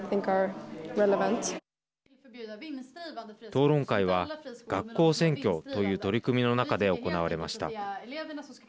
討論会は、学校選挙という取り組みの中で行われました。